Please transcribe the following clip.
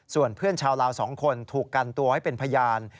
ส่วนเพื่อนชาวลาว๒คนถูกกันตัวให้เป็นพยาน